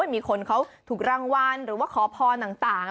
มีคนเขาถูกรางวัลขอพลาดต่าง